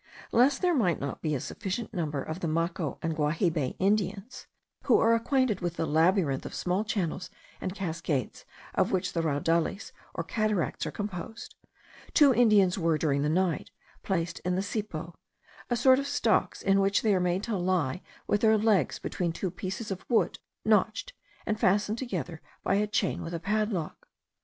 Lest there might not be a sufficient number of the Maco and Guahibe Indians, who are acquainted with the labyrinth of small channels and cascades of which the Raudales or cataracts are composed, two Indians were, during the night, placed in the cepo a sort of stocks in which they were made to lie with their legs between two pieces of wood, notched and fastened together by a chain with a padlock.